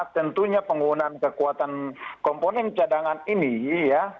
tentunya penggunaan kekuatan komponen cadangan ini ya